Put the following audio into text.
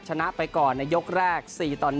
ชนะไปก่อนในยกแรก๔ต่อ๑